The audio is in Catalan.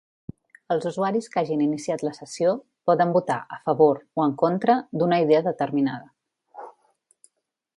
Els usuaris que hagin iniciat la sessió poden votar "a favor" o "en contra" d'una idea determinada.